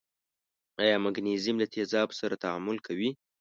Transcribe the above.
آیا مګنیزیم له تیزابو سره تعامل کوي؟